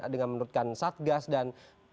dengan menurutkan satgas dan